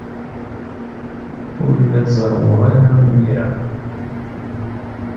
Ur la zerrweɣ ara imir-a.